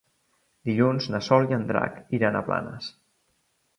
Dilluns na Sol i en Drac iran a Blanes.